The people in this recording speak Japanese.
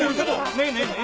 ねえねえねえ。